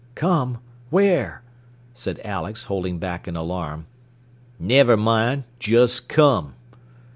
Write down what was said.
"Come? Where?" said Alex, holding back in alarm. "Never mind! Just come!"